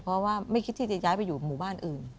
เพราะว่าไม่คิดที่จะย้ายไปอยู่หมู่บ้านอื่น